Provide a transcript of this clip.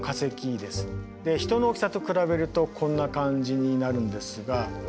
人の大きさと比べるとこんな感じになるんですが。